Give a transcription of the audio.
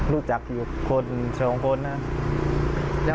รู้จักอยู่คน๒คนนะครับ